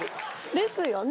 ですよね。